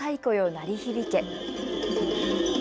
鳴り響け。